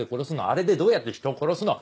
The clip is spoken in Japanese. あれでどうやって人を殺すの？